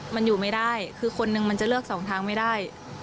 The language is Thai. มันอยู่ไม่ได้คือคนนึงมันจะเลือกสองทางไม่ได้